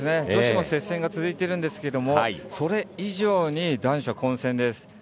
女子も接戦が続いているんですがそれ以上に男子は混戦です。